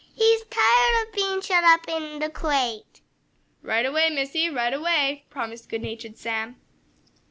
"He's tired of being shut up in the crate!" "Right away, Missie! Right away!" promised good natured Sam.